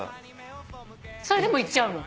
それでも行っちゃうの？